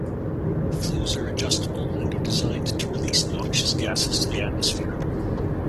Flues are adjustable and are designed to release noxious gases to the atmosphere.